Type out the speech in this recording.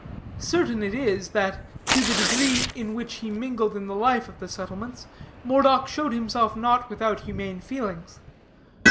Certain it is, that, to the degree in which he mingled in the life of the settlements, Moredock showed himself not without humane feelings.